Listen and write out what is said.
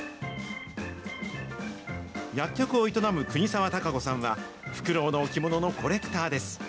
薬局を営む國沢貴子さんは、フクロウの置物のコレクターです。